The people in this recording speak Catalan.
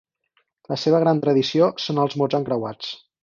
La seva gran tradició són els mots encreuats.